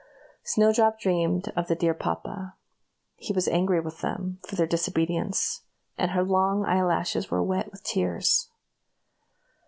Snowdrop dreamed of the dear papa; he was angry with them for their disobedience, and her long eyelashes were wet with tears.